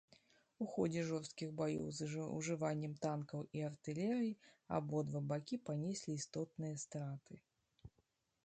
У ходзе жорсткіх баёў з ужываннем танкаў і артылерыі абодва бакі панеслі істотныя страты.